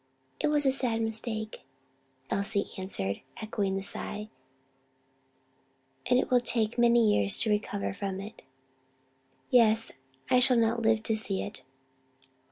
"It was a sad mistake," Elsie answered; echoing the sigh, "and it will take many years to recover from it." "Yes, I shall not live to see it."